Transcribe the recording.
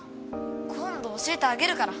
今度教えてあげるから。